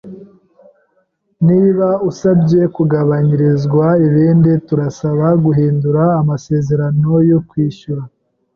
Niba usabye kugabanyirizwa ibindi, turasaba guhindura amasezerano yo kwishyura.